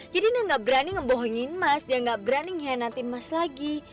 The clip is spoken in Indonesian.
jadi dia gak berani ngebohongin mas dia gak berani ngianatin mas lagi